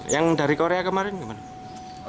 yang dari korea kemarin gimana